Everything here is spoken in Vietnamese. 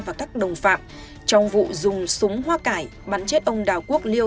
và các đồng phạm trong vụ dùng súng hoa cải bắn chết ông đào quốc liêu